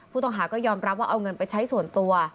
ผู้ต้องหาก็ยอมรับว่าเอาเงินไปใช้ส่วนตัว